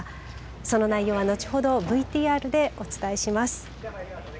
その内容は後ほどＶＴＲでお伝えします。